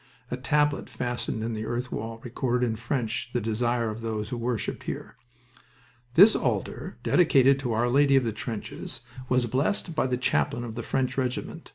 A tablet fastened in the earth wall recorded in French the desire of those who worshiped here: "This altar, dedicated to Our Lady of the Trenches, was blessed by the chaplain of the French regiment.